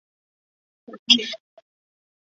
岩上珠为茜草科岩上珠属下的一个种。